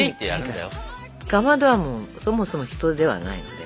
かまどはもうそもそも人ではないので。